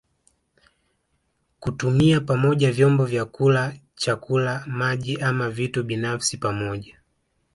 Kutumia pamoja vyombo vya kula chakula maji ama vitu binafsi pamoja